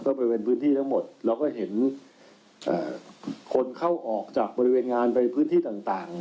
ก็บริเวณพื้นที่ทั้งหมดเราก็เห็นคนเข้าออกจากบริเวณงานไปพื้นที่ต่าง